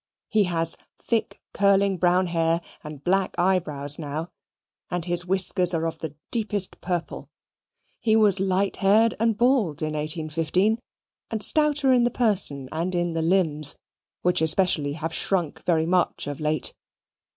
He has thick curling brown hair and black eyebrows now, and his whiskers are of the deepest purple. He was light haired and bald in 1815, and stouter in the person and in the limbs, which especially have shrunk very much of late.